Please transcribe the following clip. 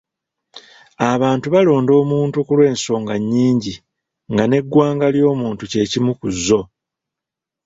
Abantu balonda omuntu ku lw'ensonga nnyingi nga n'eggwanga ly'omuntu kye kimu ku zo.